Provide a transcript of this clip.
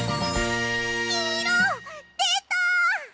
きんいろでた！